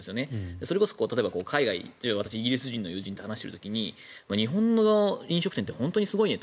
それこそ海外でイギリス人の友人と話している時に日本の飲食店って本当にすごいねと。